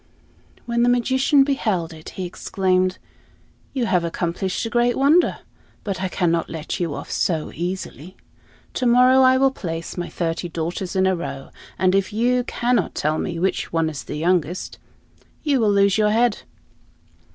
When the magician beheld it, he exclaimed, "You have accomplished a great wonder, but I cannot let you off so easily. To morrow I will place my thirty daughters in a row, and if you cannot tell me which one is the youngest, you will lose your head."